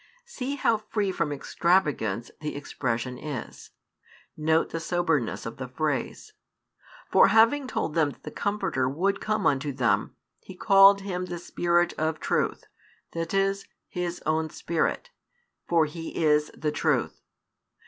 See how free from extravagance the expression is: note the soberness of the phrase. For having told them that the Comforter would come unto them, He called Him the Spirit of Truth, that is, His own Spirit. For He is the Truth.